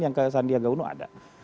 yang ke sandiaga uno ada